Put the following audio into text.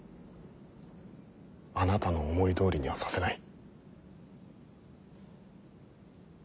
あなたの思いどおりにはさせない。